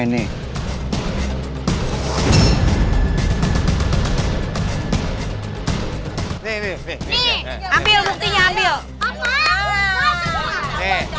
yang ini tuh